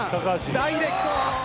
ダイレクト。